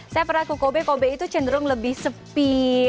saya perlaku kobe kobe itu cenderung lebih sepi